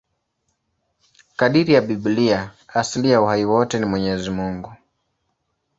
Kadiri ya Biblia, asili ya uhai wote ni Mwenyezi Mungu.